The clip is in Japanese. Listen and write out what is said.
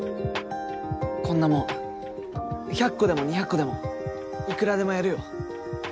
こんなもん１００個でも２００個でもいくらでもやるよ。